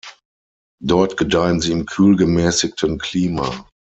Dort gedeihen sie im kühl gemäßigten Klima.